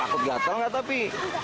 takut gatel enggak tapi